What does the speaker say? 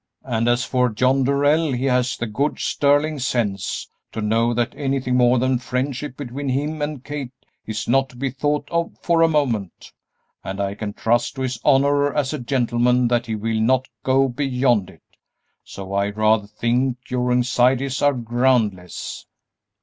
And as for John Darrell, he has the good, sterling sense to know that anything more than friendship between him and Kate is not to be thought of for a moment, and I can trust to his honor as a gentleman that he will not go beyond it. So I rather think your anxieties are groundless."